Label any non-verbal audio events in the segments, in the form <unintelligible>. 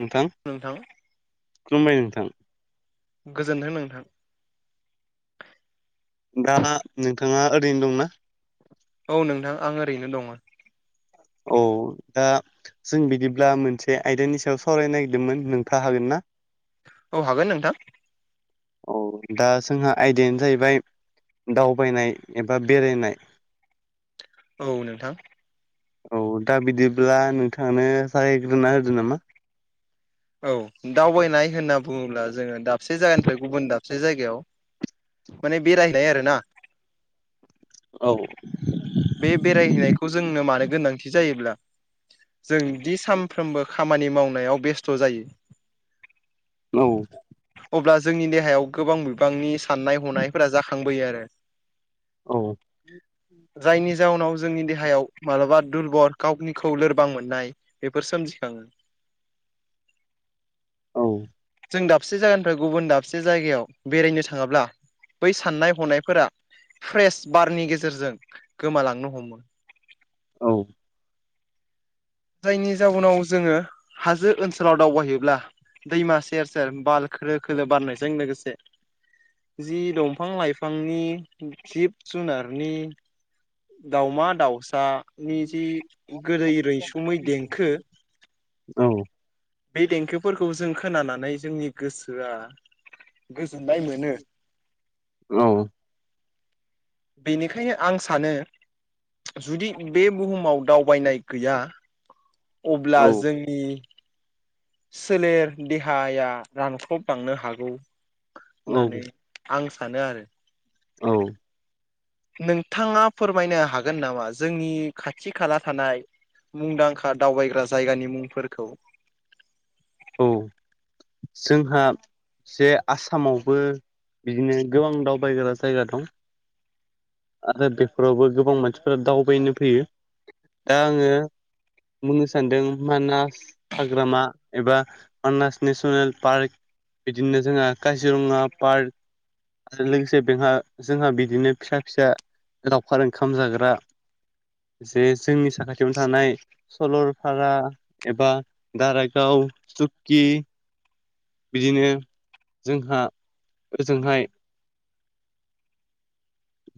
नोंथां नोंथां खुलुमबाय नोंथां गोजोन्थों नोंथां दा नोंथाङा ओरैनो दंना औ नोंथां आं ओरैनो दङो औ दा जों बिदिब्ला मोनसे आयदानि सायाव सावरायनो नागिरदोमोन नोंथाङा हागोन ना औ हागोन नोंथां औ दा जोंहा आयदायानो जाहैबाय दावबायनाय एबा बेरायनाय औ नोंथां औ दा बिदिब्ला नोंथाङानो जागायग्रोना होदो नामा औ दावबायनाय होनना बुङोब्ला जोङो दाबसे जायगानिफ्राय गुबुन दाबसे दाबसे जायगायाव माने बेरायनाय आरो ना औ बे बेरायहैनायखौ जोंनो मानो गोनांथि जायोब्ला जों दि साम सानफ्रोमबो खामानि मावनायाव बेस्थ' जायो औ अब्ला जोंनि देहायाव गोबां बिबांनि साननाय हनायफोरा जाखांबोयो आरो औ जायनि जाउनाव जोंनि देहायाव मालाबा दुरबल गावनिखौ लोरबां मोननाय बेफोर सोमजिखाङो औ जों दाबसे जायगानिफ्राय गुबुन दाबसे जायगायाव बेरायनो थाङोब्ला बै साननाय हनायफोरा फ्रेश बारनि गेजेरजों गोमालांनो हमो औ। जायनि जाउनाव जोङो हाजो ओनसोलाव दावबायहैब्ला दैमा सेर सेर बाल खोलो खोलो बारनायजों लोगोसे जि दंफां लाइफांनि जिब जुनारनि दाउमा दाउसानि जि गोदै रैसुमै देंखो औ। बे देंखोफोरखौ जों खोनानानै जोंनि गोसोआ गोजोननाय मोनो औ बेनिखायनो आं सानो जुदि बे बुहुमाव दावबायनाय गैया औ अब्ला जोंनि सोलेर देहाया रांख्रब बांनो हागौ। होननानै औ आं सानो आरो। औ। नोंथाङा फोरमायनो हागोन नामा जोंनि खाथि खाला थानाय। मुंदांखा दावबायग्रा जायगानि मुंफोरखौ औ जोंहा जे आसामावबो बिदिनो गोबां दावबायग्रा जायगा दं। आरो दा बेफोरावबो गोबां मानसिफोरा दावबायनो फैयो। दा आङो बुंनो सानदों मानास हाग्रामा एबा मानास नेसनेल पार्क बिदिनो जोंहा काजिरङा पार्क आरो लोगोसे बेहा जोंहा बिदिनो फिसा फिसा लावखार ओंखाम जाग्रा जे जोंनि साखाथियावनो थानाय सरलफारा एबा दारायबिल आव सुखथि बिदिनो जोंहा ओजोंहाय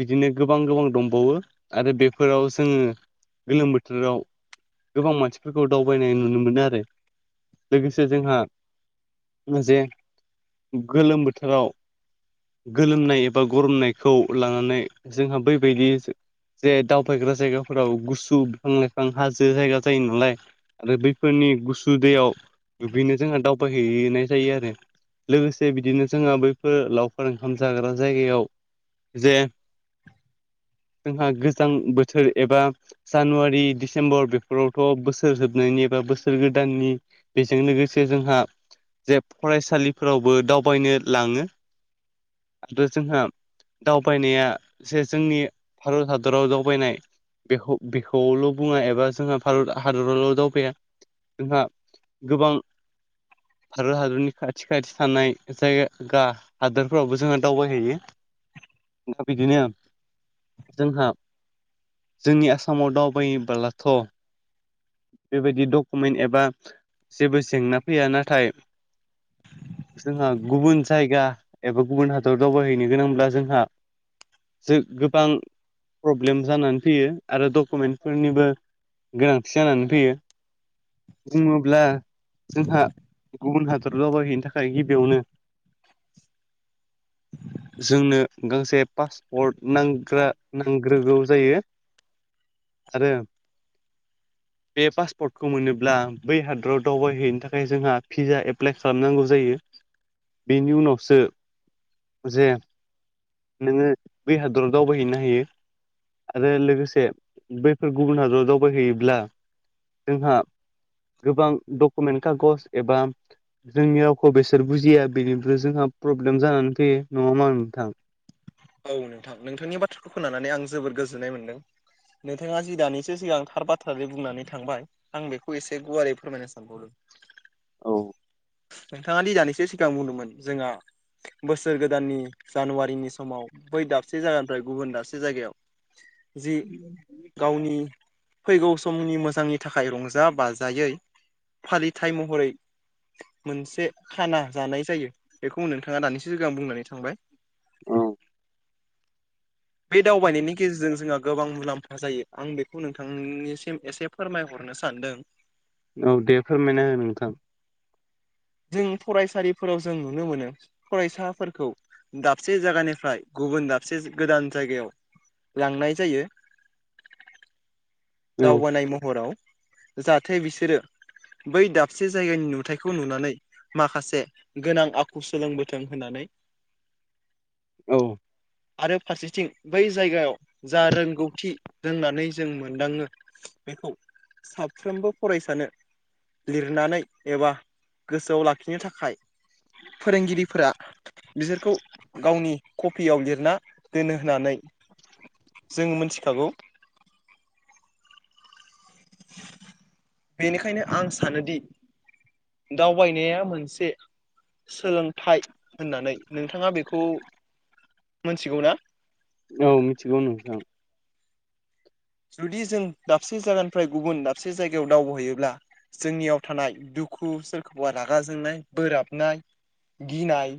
बिदिनो गोबां गोबां दंबावो आरो बेफोराव जोङो गोलोम बोथोराव गोबां मानसिफोरखौ दावबायनाय नुनो मोनो आरो। लोगोसे जोंहा जे गोलोम बोथोराव गोलोमनाय एबा गरमनायखौ लानानै जोंहा बैबायदि जे दावबायग्रा जायगाफोराव गुसु बिफां लाइफां हाजो जायगा जायो नालाय आरो बैफोरनि गुसु दैयाव दुगैनो जोंहा दावबायहैनाय जायो आरो लोगोसे बिदिनो जोंहा बैफोर लावखार ओंखाम जाग्रा जायगायाव जे जोंहा गोजां बोथोर एबा जानुवारि डसेम्बर बेफोरावथ' बोसोर जोबनायनि बा बोसोर गोदाननि बेजों लोगोसे जोंहा जे फरायसालिफोरावबो दावबायनो लाङो आरोथ जोंहा दावबायनाया जे जोंनि भारत हादराव दावबायनाय बेखौ बेखौल' बुङा एबा जोंहा भारत हादरावल' दावबाया जोंहा गोबां भारत हादरनि खाथि खाथि थानाय जायगा हादोरफोरावबो जोङो दावबायहैयो दा बिदिनो जोंहा जोंनि आसामाव दावबायोबोलाथ' बेबायदि डकुमेन्ट एबा जेबो जेंना फैया नाथाय जोंहा गुबुन जायगा एबा गुबुन हादराव दावबायहैनो गोनांब्ला जों हा जों गोबां प्रब्लेम जानानै फैयो। आरो डकुमेन्टफोरनिबो गोनांथि जानानै फैयो। बुङोब्ला जोंहा गुबुन हादर दावबायहैनो थाखाय गिबियावनो जोंनो गांसे पासपर्ट नांग्रा नांग्रोगौ जायो। आरो बे पासपर्टखौ मोनोब्ला बै हादराव दावबायहैनो थाखाय जोंहा भिजा एप्लाइ खालामनांगौ जायो। बेनि उनावसो जे नोङो बै हादराव दावबायहैनो हायो। आरो लोगोसे बैफोर गुबुन हादराव दावबायहैयोब्ला जोंहा गोबां डकमेन्ट कागज एबा जोंनि रावखौ बेसोर बुजिया बेदिनोथ' जोंहा प्रब्लेम जानानै फैयो नङा मा नोंथां? औ नोंथां नोंथांनि बाथ्राखौ खोनानानै आं जोबोर गोजोननाय मोनदों। नोंथाङा जि दानिसो सिगां थार बाथ्रादे बुंनानै थांबाय आं बेखौ एसे गुवारै फोरमायनो सानबावदों। नोंथाङादि दानिसो सिगां बुंदोंमोन जोंहा बोसोर गोदाननि जानुवारिनि समाव बै दाबसे जायगानिफ्राय गुबुन दाबसे जायगायाव जि औ गावनि फैगौ समनि मोजांनि नि थाखाय रंजा बाजायै फालिथाय महरै मोनसे खाना जानाय जायो बेखौ नोंथाङा दानिसो सिगां आं बुंनानै थांबाय। औ बे दावबायनायनि गेजेरजों जोंहा गोबां मुलाम्फा जायो, आं बेखौ नोंथांनिसिम एसे फोरमायहरनो सान सान्दों। औ दे फोरमायना हो नोंथां। जों फरायसालिफोराव जों नुनो मोनो फरायसाफोरखौ दाबसे जायगानिफ्राय गुबुन दाबसे गोदान जायगायाव लांनाय जायो। औ दावबायनाय महराव। जाहाथे बिसोरो बै दाबसे जायगानि नुथायाइखौ नुनानै माखासे गोनां आ खु सोलोंबोथों होननानै। औ। आरो फारसेथिं बै जायगायाव जा रोंगौथि रोंनानै जों मोनदाङो बेखौ साफ्रोमबो फरायसानो लिरनानै एबा गोसोआव लाखिनो थाखाय फोरोंगिरिफोरा बिसोरखौ गावनि कफियाव लिरना दोनो होननानै। जोंङो मोनथिखागौ। बेनिखायनो आं सानोदि दावबायनाया मोनसे सोलोंथाइ होननानै। नोंथाङा बेखौ मोनथिगौ ना? औ मिथिगौ नोंथां। जुदि जों दाबसे जायगानिफ्राय गुबुन दाबसे जायगायाव दावबायहैयोब्ला जोंनियाव थानाय दुखु, सोरखौबा रागा जोंनाय, बोराबनाय गिनाय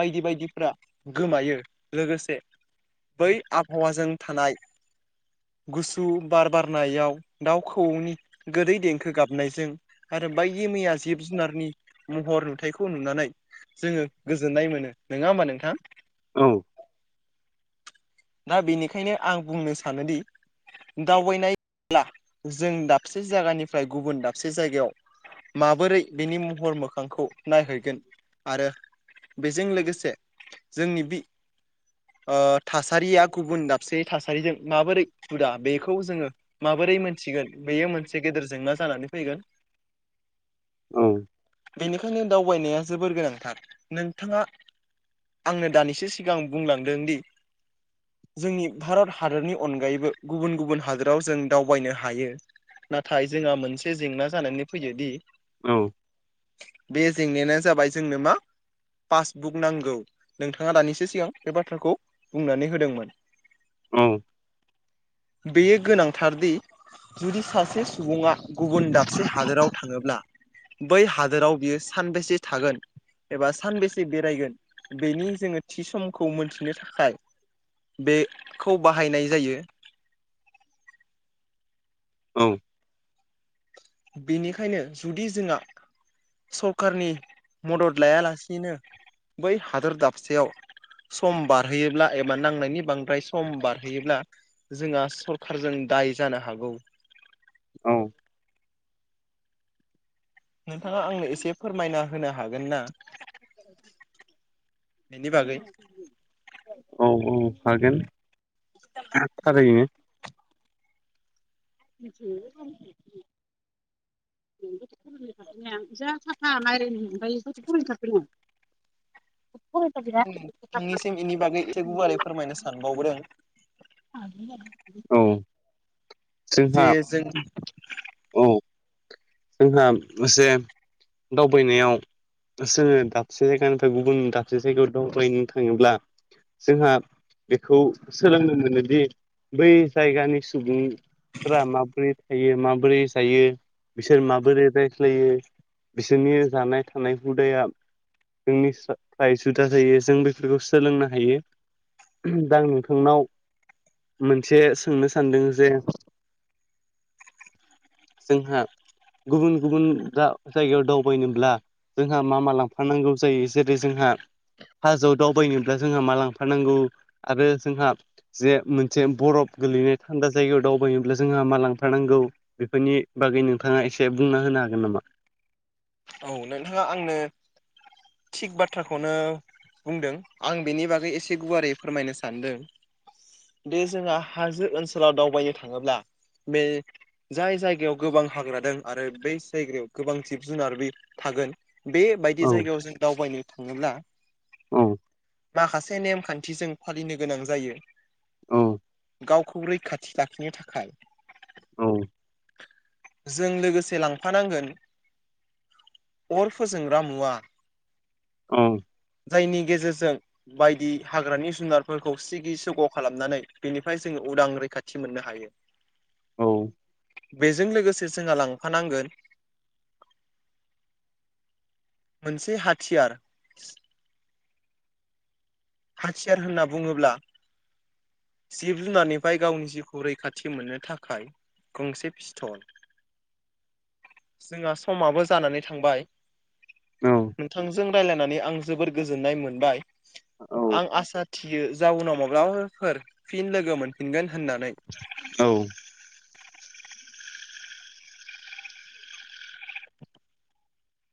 बायदि बायदिफ्रा गोमायो। लोगोसे बै आबहावाजों थानाय गुसु बार बारनायाव दाउ खौऔनि गोदै देंखो गाबनायजों आरो बायदि मैया जिब जुनारनि महर नुथाइखौ नुनानै जोङो गोजोननाय मोनो, नोङा होमबा नोंथां? औ दा बिनिखायनो आं बुंनो सानोदि दावबायनाय <inaudible> ब्ला जों दाबसे जायगानिफ्राय गुबुन दाबसे जायगायाव माबोरै बिनि महर मोखांखौ नायहैगोन आरो बेजों लोगोसे जोंनि बि थासारिया गुबुन दाबसे थासारिजों माबोरै हुदा बेखौ जोङो माबोरै मोनथिगोन बेयो मोनसे गेदेर जेंना जानानै फैगोन। औ। बेनिखायनो दावबायनाया जोबोर गोनांथार। नोंथाङा आंनो दानिसो सिगां बुंलांदों दि जोंनि भारत हादरनि अनगायैबो गुबुन गुबुन हादोराव जों दावबायनो हायो। नाथाय जोंहा मोनसे जेंना जानानै फैयो दि। औ। बे जेंनायानो जाबाय जोंनो मा? पासबुक नांगौ नोंथाङा दानिसो सिगां बे बाथ्राखौ बुंनानै होदोंमोन। औ। बेयो गोनांथारदि जुदि सासे सुबुङा। गुबुन दाबसे हादोराव थाङोब्ला बै हादोराव बियो सानबेसे थागोन? एबा सानबेसे बेरायगोन बेनि जोङो थि समखौ मोनथिनो थाखाय। बेखौ बाहायनाय जायो। औ। बेनिखायनो जुदि जोंहा सरकारनि मदद लायालासिनो बै हादोर दाबसेयाव सम बारहोयोब्ला एबा नांनायनि बांद्राय सम बारहोयोब्ला जोंहा सरखारजों दाय जानो हागौ। औ। नोंथाङा आंनो एसे फोरमायना होनो हागोन ना? बेनि बागै औ औ हागोन। <unintelligible> थारैनो। <unintelligible> <unintelligible> <unintelligible> नोंनिसिम बेनि बागै एसे गुवारै फोरमायनो सानबावदों। औ जे जोंहा जों औ। जोंहा एसे दावबायनायाव जोङो दाबसे जायगानिफ्राय गुबुन दाबसे जायगायाव दावबायनो थाङोब्ला जोंहा बेखौ सोलोंनो मोनोदि बै जायगानि सुबुं फोर माबोरै थायो माबोरै जायो? बिसोर माबोरै रायज्लायो बिसोरनि जानाय थानाय हुदाया जोंनि फ्राय जुदा जायो जों बेफोरखौ सोलोंनो हायो। दा नोंथांनाव मोनसे सोंनो सानदों जे जोंहा गुबुन गुबुन जायगायाव दावबायनोब्ला जोंहा मा मा लांफानांगौ जायो? जेरै जोंहा फार्स्टआव दावबायनोब्ला जोंहा मा लांफानांगौ आरो जोंहा जे मोनसे बरफ गोलैनाय थान्दा जायगायाव दावबायनोब्ला जोंहा मा लांफानांगौ? बेफोरनि बागै नोंथाङा एसे बुंना होनो हागोन नामा? औ नोंथाङा आंनो थिग बाथ्राखौनो बुंदों आं बेनि बागै एसे गुवारै फोरमायनो सानदों। बे जोंहा हाजो ओनसोलाव दावबायनो थाङोब्ला बे जाय जायगायाव गोबां हाग्रा दं आरो बै जायगायाव गोबां जिब जुनार बे थागोन बेबायदि औ जायगायाव जों दावबायनो थाङोब्ला औ माखासे नेमखान्थिजों फालिनो गोनां जायो। औ गावखौ रैखाथि लाखिनो थाखाय। औ। जों लोगोसे लांफानांगोन अर फोजोंग्रा मुवा। औ। जायनि गेजेरजों बायदि हाग्रानि जुनारफोरखौ सिगि सग' खालामनानै बेनिफ्राय जोङो उदां रैखाथि मोननो हायो। औ बेजों लोगोसे जोंहा लांफानांगोन मोनसे हाथियार। हाथियार होनना बुङोब्ला जिब जुनारनिफ्राय गावनि जिउखौ रैखाथि मोननो थाखाय गंसे पिस्थल जोंहा समाबो जानानै थांबाय। औ नोंथांजों रायलायनानै आं जोबोर गोजोननाय मोनबाय आं आसा थियो जाउनाव माब्लाफोर फिन लोगो मोनफिनगोन होननानै औ